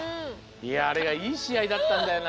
いやあれがいいしあいだったんだよな。